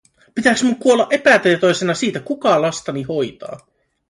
Pitääks mun kuolla epätietoisena siitä, kuka lastani hoitaa?